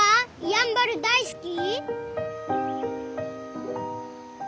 やんばる大好き？